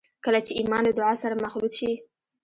کله چې ایمان له دعا سره مخلوط شي